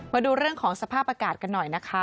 มาดูเรื่องของสภาพอากาศกันหน่อยนะคะ